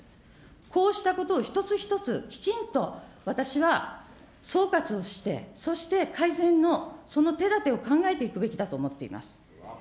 こうしたことを一つ一つきちんと私は総括をして、そして改善の、その手だてを考えていくべきだと思っています。